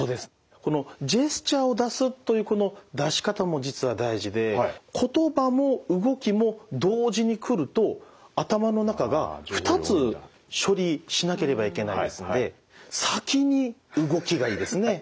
このジェスチャーを出すというこの出し方も実は大事で言葉も動きも同時に来ると頭の中が２つ処理しなければいけないですので先に動きがいいですね。